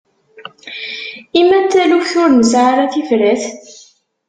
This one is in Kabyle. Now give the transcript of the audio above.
I ma d taluft ur nesɛi ara tifrat?